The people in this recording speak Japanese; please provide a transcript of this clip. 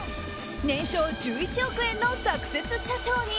年商１１億円のサクセス社長に。